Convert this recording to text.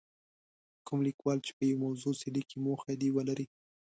کوم لیکوال چې په یوې موضوع څه لیکي موخه دې ولري.